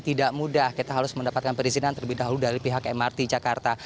tidak mudah kita harus mendapatkan perizinan terlebih dahulu dari pihak mrt jakarta